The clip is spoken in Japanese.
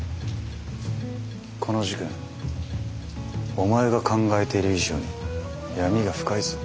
この事件お前が考えている以上に闇が深いぞ。